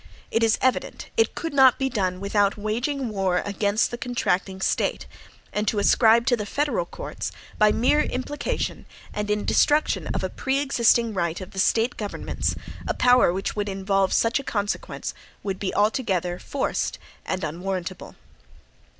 It is evident, it could not be done without waging war against the contracting State; and to ascribe to the federal courts, by mere implication, and in destruction of a pre existing right of the State governments, a power which would involve such a consequence, would be altogether forced and unwarrantable.